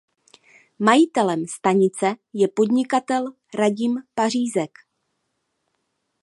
Majitelem stanice je podnikatel Radim Pařízek.